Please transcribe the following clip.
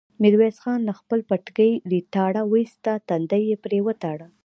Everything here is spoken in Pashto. ميرويس خان له خپل پټکي ريتاړه واېسته، تندی يې پرې وتاړه.